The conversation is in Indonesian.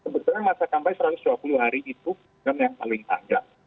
kebetulan masa kampanye satu ratus dua puluh hari itu dengan yang paling panjang